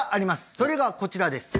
それがこちらです